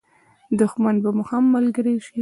دښمن به مو هم ملګری شي.